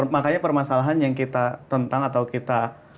makanya permasalahan yang kita tentang atau kita